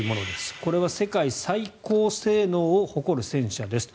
これは世界最高性能を誇る戦車ですと。